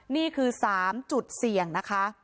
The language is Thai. นี่คือ๓จุดเสี่ยงนะคะ